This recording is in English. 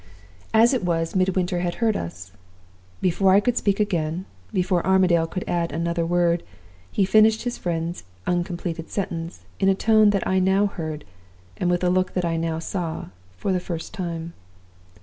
"As it was, Midwinter had heard us. Before I could speak again before Armadale could add another word he finished his friend's uncompleted sentence, in a tone that I now heard, and with a look that I now saw, for the first time.